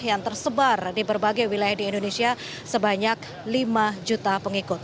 yang tersebar di berbagai wilayah di indonesia sebanyak lima juta pengikut